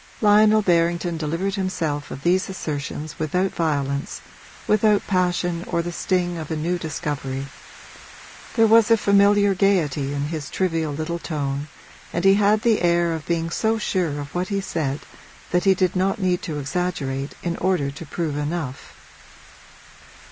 Lionel Berrington delivered himself of these assertions without violence, without passion or the sting of a new discovery; there was a familiar gaiety in his trivial little tone and he had the air of being so sure of what he said that he did not need to exaggerate in order to prove enough.